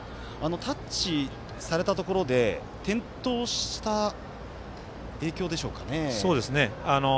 タッチされたところで転倒した影響でしょうかね。